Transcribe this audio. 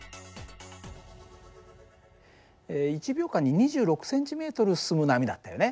１秒間に２６ｃｍ進む波だったよね。